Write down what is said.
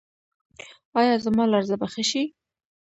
ایا زما لرزه به ښه شي؟